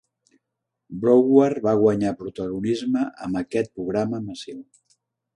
Broward va guanyar protagonisme amb aquest programa massiu.